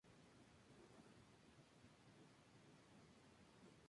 Ambas estaciones están conectadas por un puente peatonal.